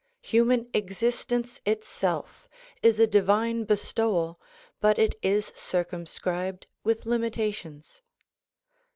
Human existence itself is a divine bestowal but it is circumscribed with limitations.